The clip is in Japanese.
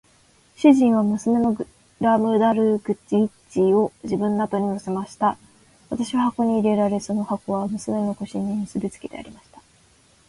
主人は娘のグラムダルクリッチを自分の後に乗せました。私は箱に入れられ、その箱は娘の腰に結びつけてありました。